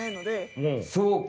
そうか！